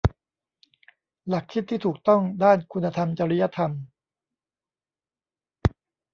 หลักคิดที่ถูกต้องด้านคุณธรรมจริยธรรม